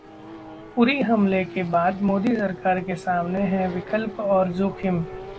उरी हमले के बाद मोदी सरकार के सामने ये हैं विकल्प और जोखिम